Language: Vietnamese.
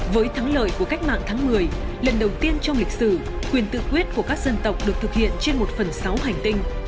với thắng lợi của cách mạng tháng một mươi lần đầu tiên trong lịch sử quyền tự quyết của các dân tộc được thực hiện trên một phần sáu hành tinh